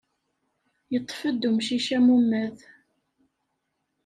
Yeṭṭef-d umcic amumad.